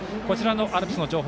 アルプスの様子